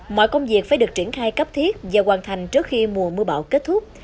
mọi công việc phải được triển khai cấp thiết và hoàn thành trước khi mùa mưa bão kết thúc